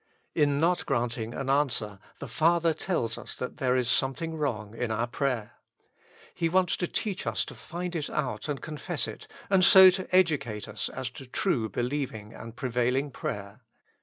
In not granting an answer, the Father tells us that there is something wrong in our prayer. He wants to teach us to find it out and confess it, and so to educate us to true believ ing and prevailing prayer.